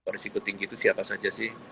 risiko tinggi itu siapa saja sih